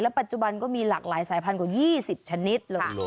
ปัจจุบันก็มีหลากหลายสายพันธุ๒๐ชนิด